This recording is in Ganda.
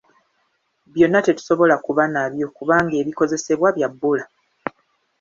Byonna tetusobola kuba nabyo kubanga ebikozesebwa bya bbula.